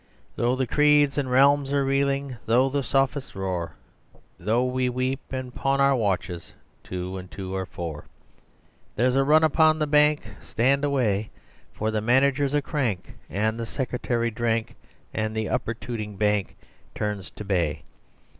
Though the creeds and realms are reeling, though the sophists roar, Though we weep and pawn our watches, Two and Two are Four." "There's a run upon the Bank Stand away! For the Manager's a crank and the Secretary drank, and the Upper Tooting Bank Turns to bay!